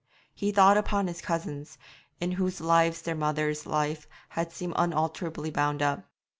He thought upon his cousins, in whose lives their mother's life had seemed unalterably bound up.